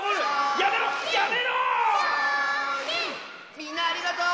みんなありがとう！